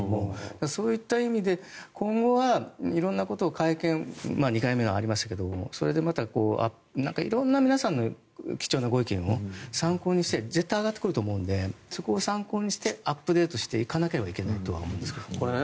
そういった意味で今後は色んなことを会見、２回目ありましたけどそれでまた色んな皆さんのご意見を参考にして絶対に上がってくるのでそこでアップデートしないといけないと思います。